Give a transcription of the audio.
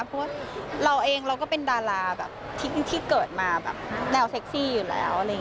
เพราะว่าเราเองเราก็เป็นดาราแบบที่เกิดมาแบบแนวเซ็กซี่อยู่แล้ว